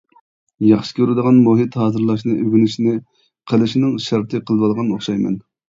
ياخشى كۆرىدىغان مۇھىت ھازىرلاشنى ئۆگىنىشنى قىلىشنىڭ شەرتى قىلىۋالغان ئوخشايمەن.